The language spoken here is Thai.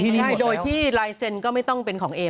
คุณหนุ่มกัญชัยได้เล่าใหญ่ใจความไปสักส่วนใหญ่แล้ว